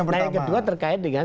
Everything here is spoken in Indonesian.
nah yang kedua terkait dengan